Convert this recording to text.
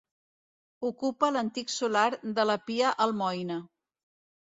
Ocupa l'antic solar de la Pia Almoina.